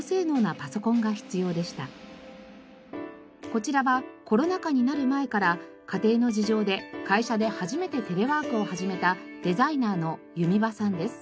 こちらはコロナ禍になる前から家庭の事情で会社で初めてテレワークを始めたデザイナーの弓場さんです。